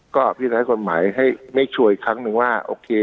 ด้ายการหมายให้ไม่ช่วยครั้งหนึ่งว่า